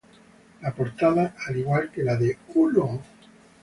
La portada, al igual que la de "¡Uno!